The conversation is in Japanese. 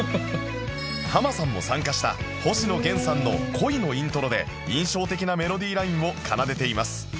ハマさんも参加した星野源さんの『恋』のイントロで印象的なメロディーラインを奏でています